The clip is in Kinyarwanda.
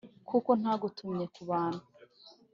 kuko ntagutumye ku bantu